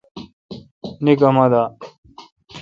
نیکھ اُما دا۔